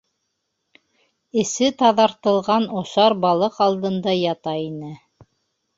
Эсе таҙартылған осар балыҡ алдында ята ине.